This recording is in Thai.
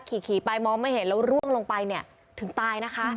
ขี่ไปมองไม่เห็นแล้วร่วงลงไปเนี่ยถึงตายนะคะ